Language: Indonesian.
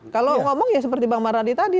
kalau ngomong ya seperti bang marani tadi